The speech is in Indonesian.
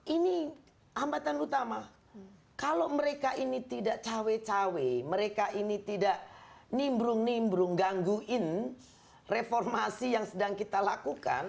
ini hambatan utama kalau mereka ini tidak cawe cawe mereka ini tidak nimbrung nimbrung gangguin reformasi yang sedang kita lakukan